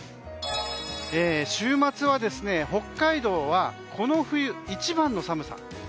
週末は北海道はこの冬一番の寒さ。